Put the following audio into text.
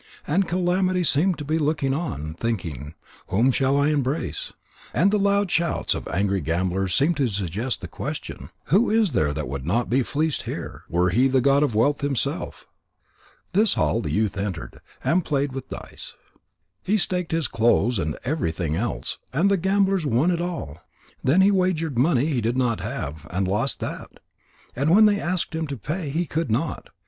And Calamity seemed to be looking on, thinking: "Whom shall I embrace?" And the loud shouts of angry gamblers seemed to suggest the question: "Who is there that would not be fleeced here, were he the god of wealth himself?" This hall the youth entered, and played with dice. He staked his clothes and everything else, and the gamblers won it all. Then he wagered money he did not have, and lost that. And when they asked him to pay, he could not.